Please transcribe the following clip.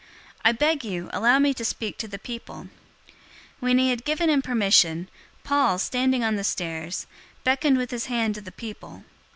I beg you, allow me to speak to the people." 021:040 When he had given him permission, Paul, standing on the stairs, beckoned with his hand to the people.